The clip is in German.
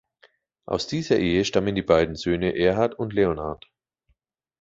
Aus dieser Ehe stammen die beiden Söhne "Erhard" und "Leonhard".